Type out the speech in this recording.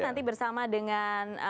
nanti bersama dengan